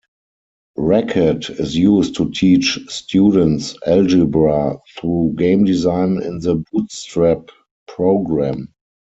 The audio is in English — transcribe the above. Racket is used to teach students algebra through game design in the Bootstrap program.